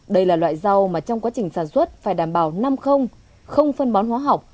đây là loại rau mà trong quá trình sản xuất phải đảm bảo năm không phân bón hóa học